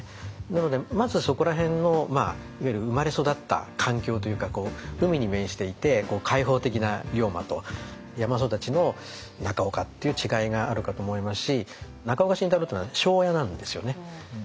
なのでまずそこら辺のいわゆる生まれ育った環境というか海に面していて開放的な龍馬と山育ちの中岡っていう違いがあるかと思いますし中岡慎太郎っていうのは庄屋なんですよね。